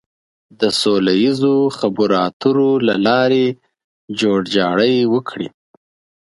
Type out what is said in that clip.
د سوله ييزو خبرو اترو له لارې جوړجاړی وکړي.